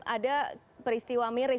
ada peristiwa miris